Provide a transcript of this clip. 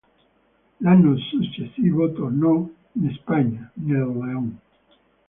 L'anno successivo tornò in Spagna, nel León.